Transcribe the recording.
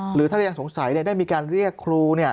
หรือถ้าเรายังสงสัยได้มีการเรียกครู